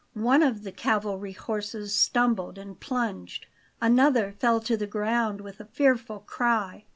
One of the cavalry horses stumbled and plunged; another fell to the ground with a fearful cry.